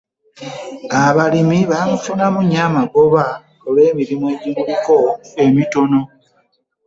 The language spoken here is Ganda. Abalimi baamufunamu nnyo amagoba olw'emirimu egimuliko emitono.